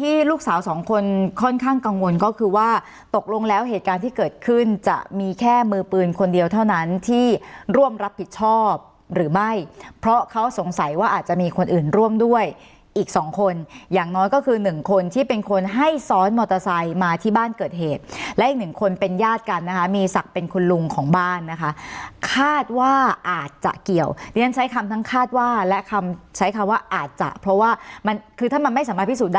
ที่ลูกสาวสองคนค่อนข้างกังวลก็คือว่าตกลงแล้วเหตุการณ์ที่เกิดขึ้นจะมีแค่มือปืนคนเดียวเท่านั้นที่ร่วมรับผิดชอบหรือไม่เพราะเขาสงสัยว่าอาจจะมีคนอื่นร่วมด้วยอีกสองคนอย่างน้อยก็คือหนึ่งคนที่เป็นคนให้ซ้อนมอเตอร์ไซด์มาที่บ้านเกิดเหตุและอีกหนึ่งคนเป็นญาติกันนะคะมีศักดิ์เป็นคุ